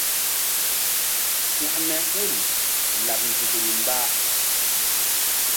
Hȩkme hul laɓ nzukri mba.